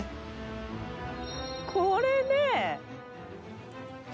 これね。